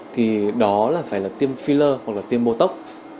thì đó phải là tiêm filler hoặc là tiêm bô tốc